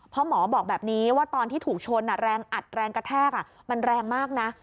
เพราะหมอบอกแบบนี้ว่าตอนที่ถูกชนแรงอัดแรงกระแทกมันแรงมากนะ